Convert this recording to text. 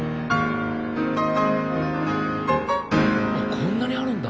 こんなにあるんだ！